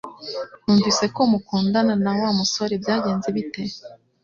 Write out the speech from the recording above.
Numvise ko mukundana na Wa musore Byagenze bite